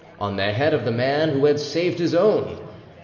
] on the head of the man who had saved his own.